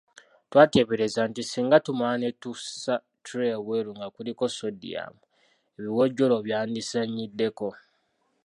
Twateebereza nti singa tumala ne tussa ttule ebweru nga kuliko soodiyamu, ebiwojjolo byandizannyiddeko.